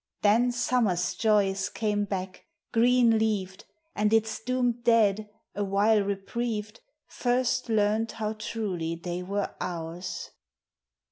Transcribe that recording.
255 Then Summer's joys came back, green leaved, And its doomed dead, awhile reprieved. First learned how truly they were 1 ours.